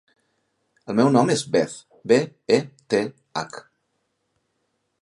El meu nom és Beth: be, e, te, hac.